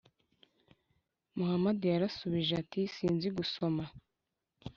muhamadi yarashubije ati “sinzi gusoma.”